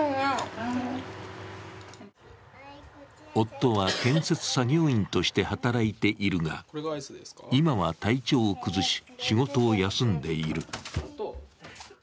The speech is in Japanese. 夫は建設作業員として働いているが、今は体調を崩し仕事を休んでいる。